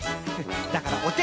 だからおて！